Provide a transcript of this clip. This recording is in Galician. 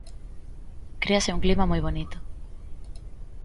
Créase un clima moi bonito.